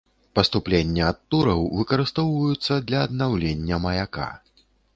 Паступлення ад тураў выкарыстоўваюцца для аднаўлення маяка.